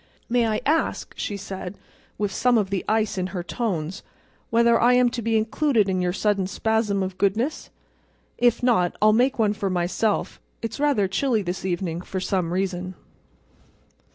"May I ask," she said, with some of the ice in her tones, "whether I am to be included in your sudden spasm of goodness? If not, I'll make one for myself. It's rather chilly this evening, for some reason."